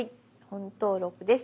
「本登録」です。